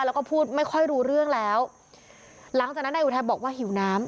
แล้วก็พูดไม่ค่อยรู้เรื่องแล้วหลังจากนั้นนายอุทัยบอกว่าหิวน้ำ